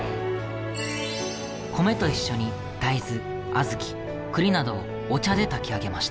米と一緒に大豆小豆栗などをお茶で炊き上げました。